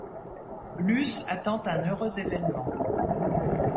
Luce attend un heureux événement.